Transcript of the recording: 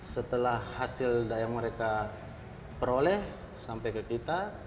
setelah hasil yang mereka peroleh sampai ke kita